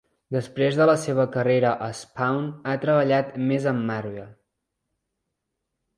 Després de la seva carrera a "Spawn" ha treballat més amb Marvel.